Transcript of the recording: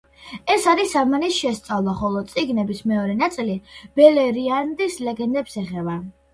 ეს არის ამანის შესწავლა, ხოლო წიგნის მეორე ნაწილი ბელერიანდის ლეგენდებს ეხება.